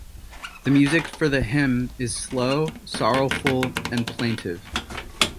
The music for the hymn is slow, sorrowful and plaintive.